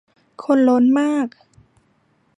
คนล้นมาก ฮือ